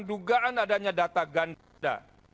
dugaan adanya data ganda